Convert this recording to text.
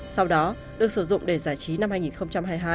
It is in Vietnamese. sau đó được sử dụng để giải trí năm hai nghìn hai mươi hai